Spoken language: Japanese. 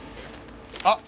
あ！